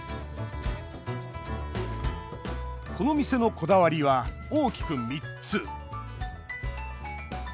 この店のこだわりは大きく３つ。